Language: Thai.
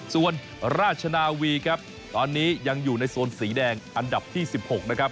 ส่วนราชนาวีครับตอนนี้ยังอยู่ในโซนสีแดงอันดับที่๑๖นะครับ